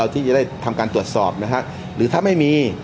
ที่จะได้ทำการตรวจสอบนะฮะหรือถ้าไม่มี